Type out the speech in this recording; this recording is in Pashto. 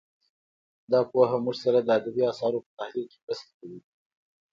دا پوهه موږ سره د ادبي اثارو په تحلیل کې مرسته کوي